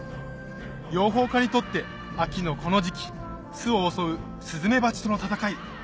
養蜂家にとって秋のこの時期巣を襲うスズメバチとの戦い